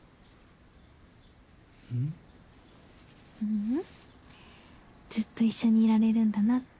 ううんずっと一緒にいられるんだなって。